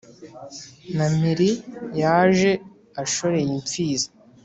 na mpiri yaje ashoreye imfizi